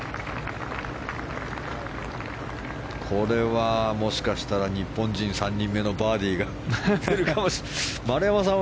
これはもしかしたら日本人３人目のバーディーが出るかもしれません。